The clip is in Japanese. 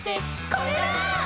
「これだー！」